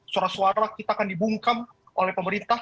suara suara kita akan dibungkam oleh pemerintah